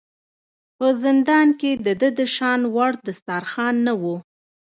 په زندان کې د ده د شان وړ دسترخوان نه و.